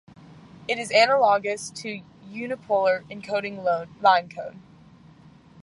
It is analogous to unipolar encoding line code.